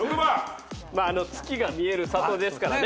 月が見える里ですからね。